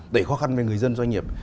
đẩy khó khăn về người dân doanh nghiệp